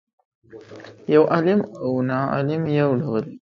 یو عالم او ناعالم یو ډول دي.